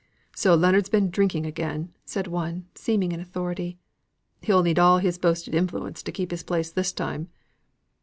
"So Leonards has been drinking again!" said one, seemingly in authority. "He'll need all his boasted influence to keep his place this time."